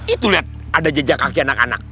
itu lihat ada jejak kaki anak anak